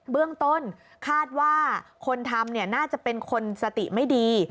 เบื้องต้นคาดว่าคนทำน่าจะเป็นคนสติไม่ดี